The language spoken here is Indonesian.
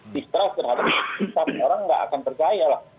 distress terhadap orang orang nggak akan percaya lah